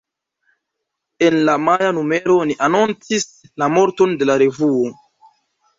En la maja numero ni anoncis la morton de la revuo.